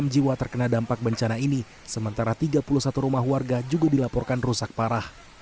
enam jiwa terkena dampak bencana ini sementara tiga puluh satu rumah warga juga dilaporkan rusak parah